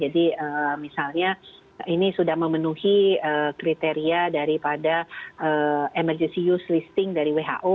jadi misalnya ini sudah memenuhi kriteria daripada emergency use listing dari who